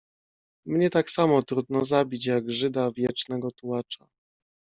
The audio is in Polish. "Mnie tak samo trudno zabić, jak Żyda wiecznego tułacza."